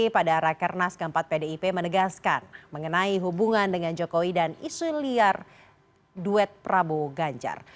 pada rakernas keempat pdip menegaskan mengenai hubungan dengan jokowi dan isu liar duet prabowo ganjar